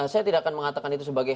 saya tidak akan mengatakan itu sebagai